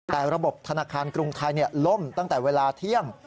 แต่ระบบธนาคารกรุงไทยล่มตั้งแต่เวลาเที่ยง